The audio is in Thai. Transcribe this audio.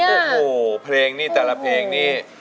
โอ้โหเพลงนี้แต่ละเพลงนี้